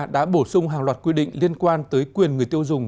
đã bổ sung hàng loạt quy định liên quan tới quyền người tiêu dùng